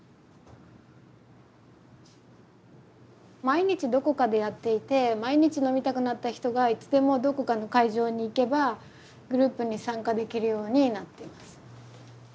毎日どこかでやっていて毎日飲みたくなった人がいつでもどこかの会場に行けばグループに参加できるようになってます。